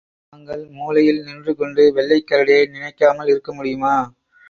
நாங்கள் மூலையில் நின்று கொண்டு வெள்ளைக் கரடியை நினைக்காமல் இருக்க முடியுமா?